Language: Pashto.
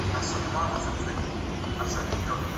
ایا لارښود باید تجربه ولري؟